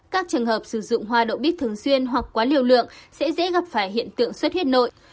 các trường hợp sử dụng hoa đậu bích thường xuyên hoặc quá liều lượng sẽ dễ gặp phải hiện tượng xuất huyết nội